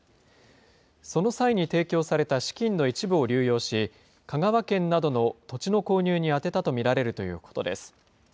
その際に提供された資金の一部を流用し、香川県などの土地の購入に充てたと見られるということです。